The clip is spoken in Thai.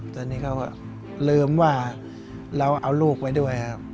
ตอนนี้เขาเลยลืมว่าเราเอาลูกไปด้วย